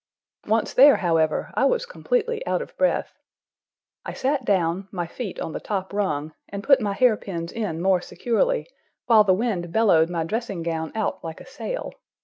Once there, however, I was completely out of breath. I sat down, my feet on the top rung, and put my hair pins in more securely, while the wind bellowed my dressing gown out like a sail.